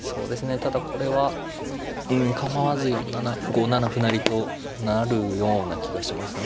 ただこれはうん構わず５七歩成と成るような気がしますね。